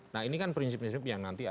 nah ini kan prinsip prinsip yang nanti